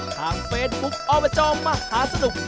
ทางเฟซบุ๊คอบจมหาสนุก